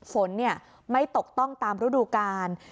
ฝนไม่ตกต้องตามฤดูกาล